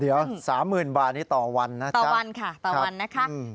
เดี๋ยว๓๐๐๐๐บาทนี่ต่อวันนะจ๊ะค่ะต่อวันนะคะหือ